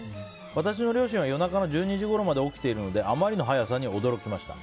私の両親は夜中１２時ごろまで起きているのであまりの早さに驚きました。